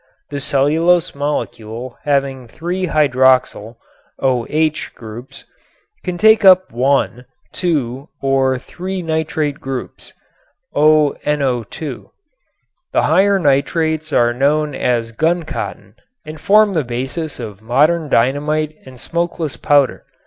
The cellulose molecule having three hydroxyl OH groups, can take up one, two or three nitrate groups ( ONO_). The higher nitrates are known as guncotton and form the basis of modern dynamite and smokeless powder.